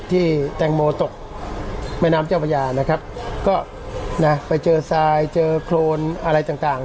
ที่แตงโมตกแม่น้ำเจ้าพระยานะครับก็นะไปเจอทรายเจอโครนอะไรต่างต่าง